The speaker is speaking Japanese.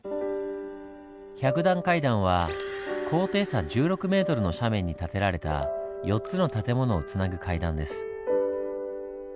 百段階段は高低差１６ｍの斜面に建てられた４つの建物をつなぐ階段です。